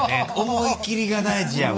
思い切りが大事やわ。